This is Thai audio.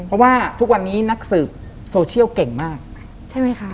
เพราะว่าทุกวันนี้นักสืบโซเชียลเก่งมากใช่ไหมคะ